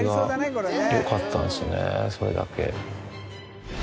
それだけ。